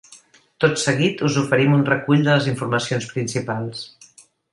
Tot seguit, us oferim un recull de les informacions principals.